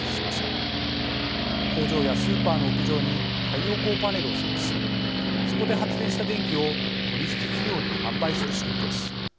工場やスーパーの屋上に太陽光パネルを設置しそこで発電した電気を取引企業に販売する仕組みです。